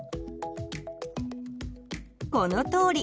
このとおり！